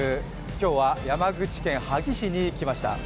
今日は山口県萩市に来ました。